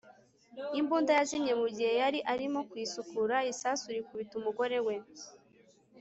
Imbunda yazimye mu gihe yari arimo kuyisukura isasu rikubita umugore we